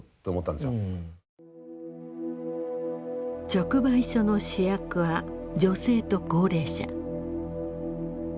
直売所の主役は女性と高齢者。